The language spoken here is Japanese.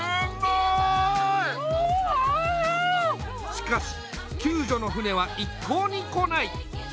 しかし救助の船は一向に来ない。